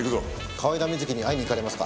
河井田瑞希に会いに行かれますか？